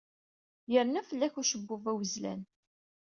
Yerna fell-ak ucebbub awezlan.